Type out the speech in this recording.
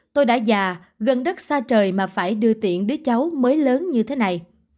tôi đã già gần đất xa trời mà phải đưa tiện đứa cháu mới lớn như thế này